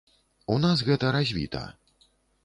У нас гэта развіта.